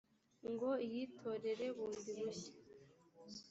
ngo iyitorere bundi bushya